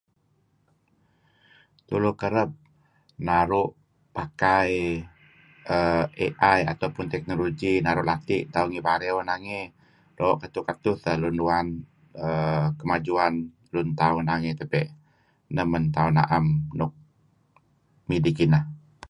Tulu kereb naru' pakai err... AI ataupun teknologi naru' lati' tauh ngih Bario nangey. Doo' ketuh teh lun uan, err... kemajuan lun tauh nangey tebey'. Neh men tauh na'em nuk midih kineh.